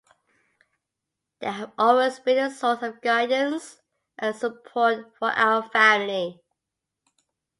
They have always been a source of guidance and support for our family.